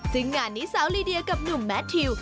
ซึ่งงานนี้สาวลีเดียกับหนุ่มแมททิว